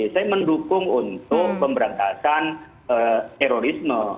saya mendukung untuk pemberantasan terorisme